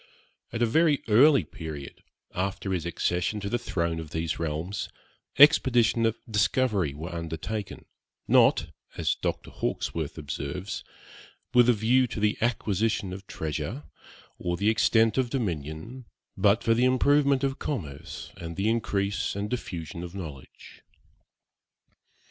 At a very early period, after his accession to the throne of these realms, expeditions of discovery were undertaken, 'not (as Dr. Hawkesworth observes) with a view to the acquisition of treasure, or the extent of dominion, but for the improvement of commerce, and the increase and diffusion of knowledge.'